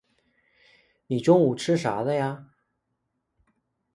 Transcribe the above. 你中午吃的啥啊？